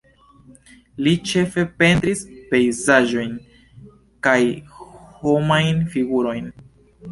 Li ĉefe pentris pejzaĝojn kaj homajn figurojn.